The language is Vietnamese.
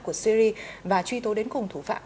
của syria và truy tố đến cùng thủ phạm